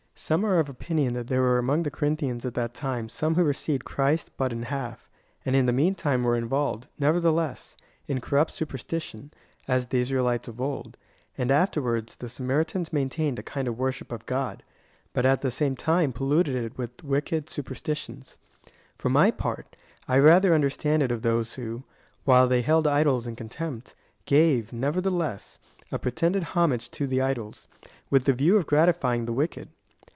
Some are of opinion that there were among the Corinthians at that time some who received Christ but in half, and in the mean time were involved, nevertheless, in corrupt superstition, as the Israelites of old, and afterwards the Samaritans maintained a kind of worship of God, but at the same time polluted it with wicked super^ stitions. For my part, I rather understand it of those who, while they held idols in contempt, gave, nevertheless, a pre tended homage to the idols, with the view of gratifying the wicked.